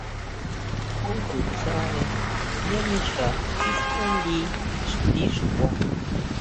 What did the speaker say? Ju to tsáre yá mixa siskángui ixti xkua.